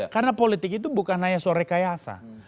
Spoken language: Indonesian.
karena politik itu bukan hanya soal rekayasa